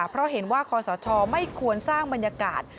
เพราะเห็นว่าคอสชไม่ควรสร้างบรรยากาศ